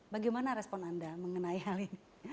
bagaimana respon anda mengenai hal ini